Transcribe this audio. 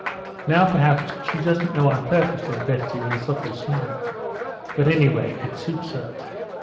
Now, perhaps, she doesn't know on purpose," said Betsy, with a subtle smile. "But, anyway, it suits her.